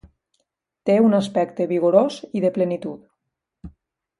Té un aspecte vigorós i de plenitud.